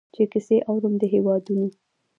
چي کیسې اورم د هیوادونو